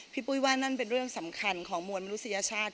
ปุ้ยว่านั่นเป็นเรื่องสำคัญของมวลมนุษยชาติ